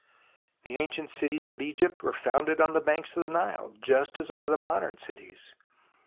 The ancient cities of Egypt were founded on the banks of the Nile, just as are the modern cities.